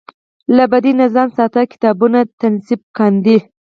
له بدۍ نه ځان ساتي کتابونه تصنیف کاندي.